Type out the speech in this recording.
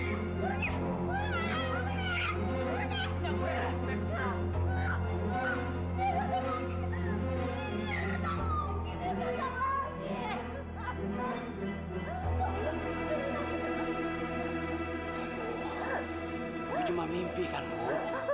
ini cuma mimpi kan bu